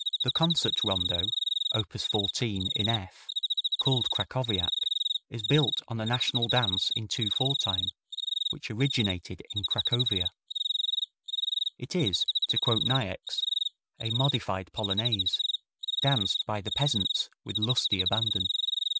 The Concert Rondo, op. 14, in F, called Krakowiak, is built on a national dance in two four time, which originated in Cracovia. It is, to quote Niecks, a modified polonaise, danced by the peasants with lusty abandon.